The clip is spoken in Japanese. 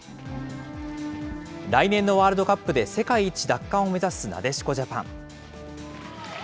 来年のワールドカップで、世界一奪還を目指すなでしこジャパン。